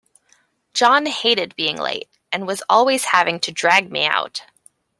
John hated being late, and was always having to drag me out.